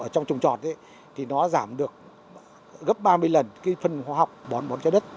trong trồng trọt thì nó giảm được gấp ba mươi lần cái phân hóa học bón bón cho đất